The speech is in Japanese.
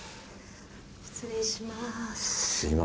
失礼します。